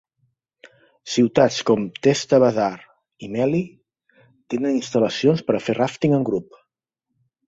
Ciutats com Teesta Bazaar i Melli tenen instal·lacions per a fer ràfting en grup.